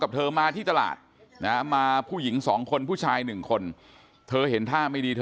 กับเธอมาที่ตลาดมาผู้หญิง๒คนผู้ชาย๑คนเธอเห็นท่าไม่ดี